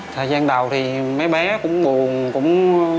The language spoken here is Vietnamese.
thời gian đầu thì mấy bé cũng buồn cũng